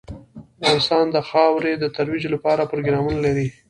افغانستان د خاوره د ترویج لپاره پروګرامونه لري.